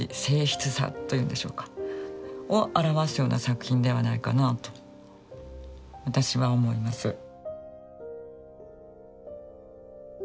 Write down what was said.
静謐さというんでしょうか。を表すような作品ではないかなと私は思います。